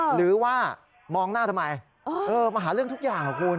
หรือว่ามองหน้าทำไมมาหาเรื่องทุกอย่างคุณ